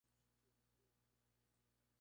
Luchó en los tribunales por los derechos agrarios.